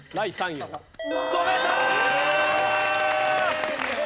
止めた！